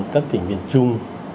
các tỉnh miền trung